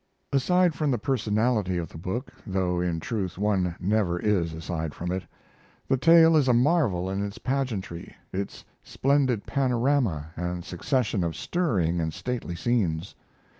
Aside from the personality of the book though, in truth, one never is aside from it the tale is a marvel in its pageantry, its splendid panorama and succession of stirring and stately scenes.